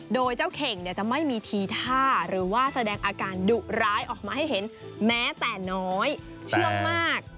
โดยเจ้าเข่งจะไม่มีทีท่าหรือว่าแสดงอาการดุร้ายออกมาให้เห็นแม้แต่น้อยเชื่องมาก